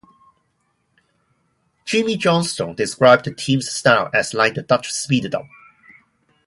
Jimmy Johnstone described the team's style as like the Dutch speeded-up.